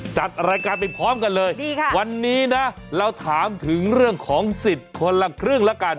จัดรายการไปพร้อมกันเลยดีค่ะวันนี้นะเราถามถึงเรื่องของสิทธิ์คนละครึ่งละกัน